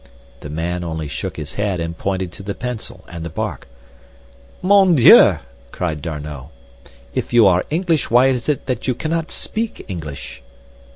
The man only shook his head and pointed to the pencil and the bark. "Mon Dieu!" cried D'Arnot. "If you are English why is it then that you cannot speak English?"